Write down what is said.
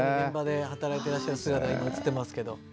現場で働いてらっしゃる姿が今映ってますけど。